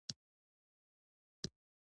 خوړل د بازار پکوړې راپه زړه کوي